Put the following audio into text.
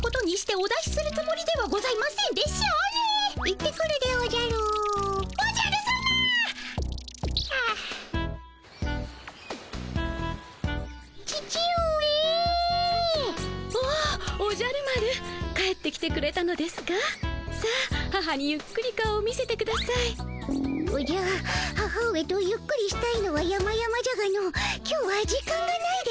おじゃ母上とゆっくりしたいのはやまやまじゃがの今日は時間がないでおじゃる。